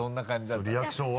そうリアクションは？